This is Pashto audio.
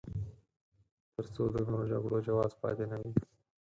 تر څو د نورو جګړو جواز پاتې نه وي.